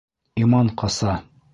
Иман ҡаса...